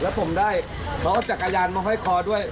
แล้วผมได้เขาเอาจักรยานมาห้อยคอด้วย